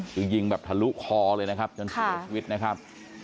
คือยิงแบบทะลุคอเลยนะครับจนเสียชีวิตนะครับ